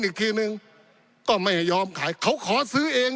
ปี๑เกณฑ์ทหารแสน๒